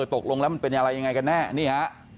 ตกลงแล้วมันเป็นอะไรยังไงกันแน่นี่ฮะ